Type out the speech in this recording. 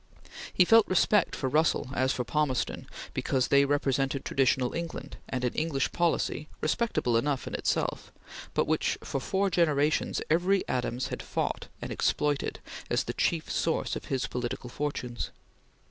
He felt respect for Russell as for Palmerston because they represented traditional England and an English policy, respectable enough in itself, but which, for four generations, every Adams had fought and exploited as the chief source of his political fortunes.